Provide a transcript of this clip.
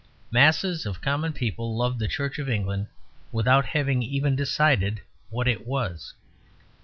Masses of common people loved the Church of England without having even decided what it was.